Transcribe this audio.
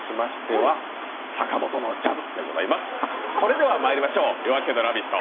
それではまいりましょう、「夜明けのラヴィット！」